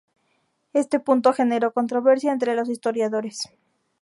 Este punto generó controversia entre los historiadores.